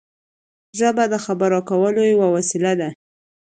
ژبه د خبرو کولو یوه وسیله ده.